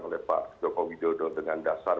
oleh pak tkw dengan dasar